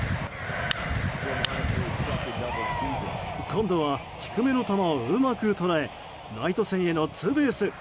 今度は低めの球をうまく捉えライト線へのツーベース。